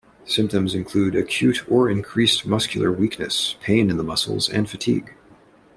Symptoms include acute or increased muscular weakness, pain in the muscles, and fatigue.